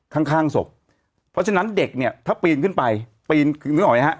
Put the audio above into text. ข้างข้างศพเพราะฉะนั้นเด็กเนี่ยถ้าปีนขึ้นไปปีนคือนึกออกไหมฮะ